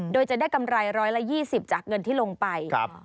โดยจะได้กำไร๑๒๐จากเงินที่ลงไป